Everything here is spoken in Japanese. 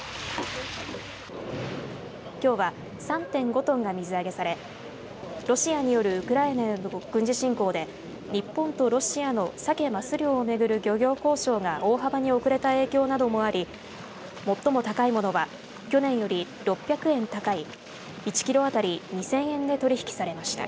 きょうは３．５トンが水揚げされロシアによるウクライナへの軍事侵攻で日本とロシアのサケ・マス漁を巡る漁業交渉が大幅に遅れた影響などもあり最も高いものは去年より６００円高い１キロ当たり２０００円で取り引きされました。